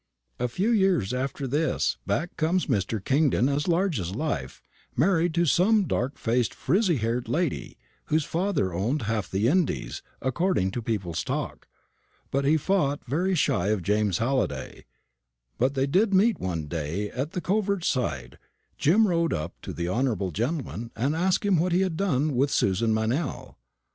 A few years after this back comes Mr. Kingdon as large as life, married to some dark faced, frizzy haired lady, whose father owned half the Indies, according to people's talk: but he fought very shy of James Halliday; but when they did meet one day at the covert side, Jim rode up to the honourable gentleman and asked him what he had done with Susan Meynell.